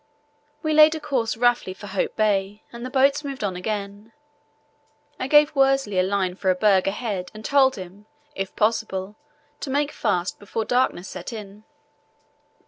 We laid a course roughly for Hope Bay, and the boats moved on again. I gave Worsley a line for a berg ahead and told him, if possible, to make fast before darkness set in.